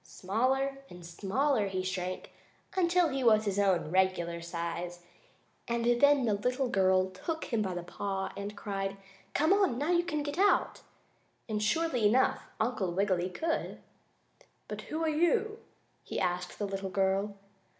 Smaller and smaller he shrank, until he was his own regular size, and then the little girl took him by the paw and cried: "Come on! Now you can get out!" And, surely enough, Uncle Wiggily could. "But who are you?" he asked the little girl.